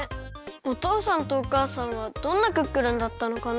おとうさんとおかあさんはどんなクックルンだったのかな。